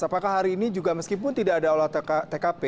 apakah hari ini juga meskipun tidak ada olah tkp